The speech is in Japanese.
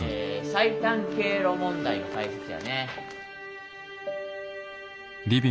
最短経路問題の解説やね。